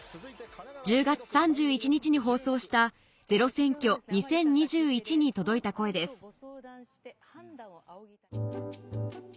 １０月３１日に放送した『ｚｅｒｏ選挙２０２１』に届いた声です